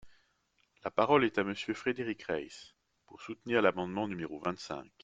La parole est à Monsieur Frédéric Reiss, pour soutenir l’amendement numéro vingt-cinq.